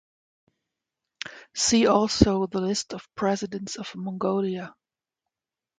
See also the list of Presidents of Mongolia.